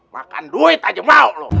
makan duit aja mau loh